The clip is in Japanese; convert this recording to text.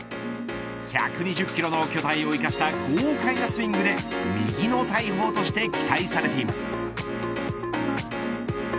１２０キロの巨体を生かした豪快なスイングで右の大砲として期待されています。